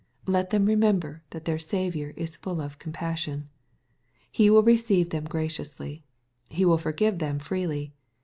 Let them remember that their Saviour is full of " compassion." He will receive them graciously. He will forgive them freely.